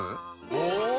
お！